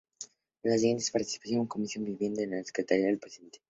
En las siguientes participó en las comisiones de Vivienda como secretario y presidente.